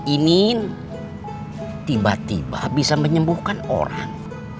ini tiba tiba bisa menyembuhkan orang